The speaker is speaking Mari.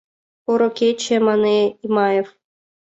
— Поро кече, — мане Имаев.